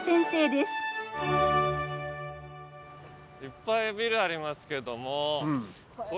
いっぱいビルありますけどもこれが。